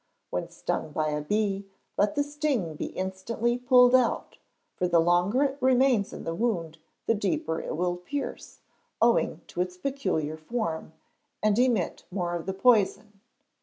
When stung by a bee, let the sting be instantly pulled out; for the longer it remains in the wound, the deeper it will pierce, owing to its peculiar form, and emit more of the poison.